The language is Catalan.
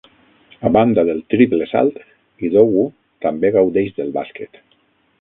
A banda del triple salt, Idowu també gaudeix del bàsquet.